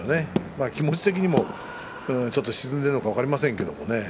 気持ち的にもちょっと沈んでいるのかもしれません。